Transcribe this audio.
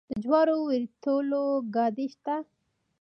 د جوارو د وریتولو ګاډۍ شته.